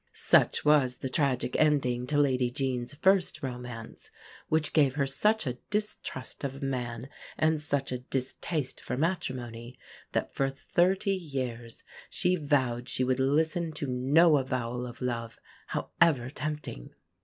Such was the tragic ending to Lady Jean's first romance, which gave her such a distrust of man and such a distaste for matrimony that for thirty years she vowed she would listen to no avowal of love, however tempting.